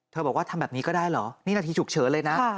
บอกว่าทำแบบนี้ก็ได้เหรอนี่นาทีฉุกเฉินเลยนะ